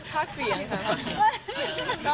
ภาษีเลยค่ะ